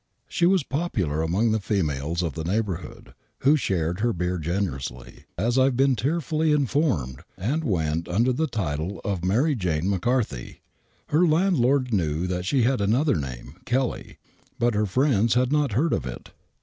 She was popular among the females of the neighbor hood, who shared her beer generously, as I have been tearfully informed, and went imder the title of Mary Jane McCarthy. Her landlord knew that she had another name, Kelly, but her friends had not heard of it.